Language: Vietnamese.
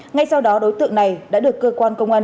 ngay sau đó đối tượng này đã được cơ quan công an